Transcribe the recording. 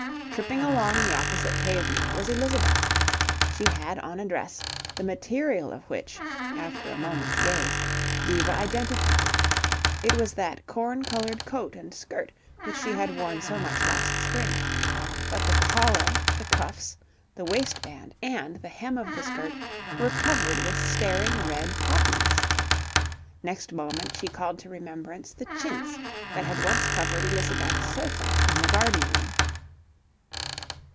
Tripping along the opposite pavement was Elizabeth. She had on a dress, the material of which, after a moment's gaze, Diva identified: it was that corn coloured coat and skirt which she had worn so much last spring. But the collar, the cuffs, the waistband and the hem of the skirt were covered with staring red poppies. Next moment, she called to remembrance the chintz that had once covered Elizabeth's sofa in the garden room.